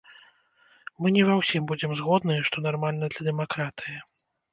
Мы не ва ўсім будзем згодныя, што нармальна для дэмакратыі.